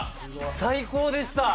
最高でした。